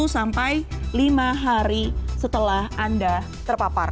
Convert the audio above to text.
sepuluh sampai lima hari setelah anda terpapar